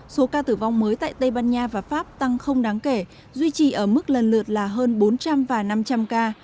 số ca tử vong mới tại tây ban nha và pháp tăng không đáng kể duy trì ở mức lần lượt là hơn bốn trăm linh và năm trăm linh ca